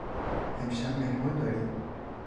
امشب مهمان داریم.